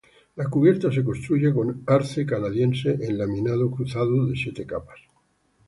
La cubierta se construye con arce canadiense en laminado cruzado de siete capas.